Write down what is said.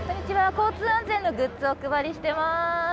交通安全のグッズをお配りしています。